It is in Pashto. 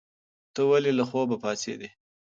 ته ولې له خوبه پاڅېدې؟